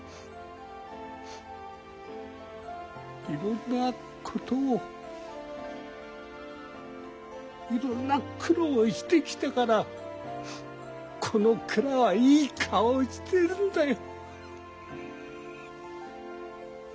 いろんなことをいろんな苦労をしてきたからこの蔵はいい顔をしてるんだよ。